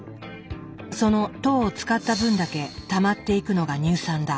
その糖を使った分だけたまっていくのが乳酸だ。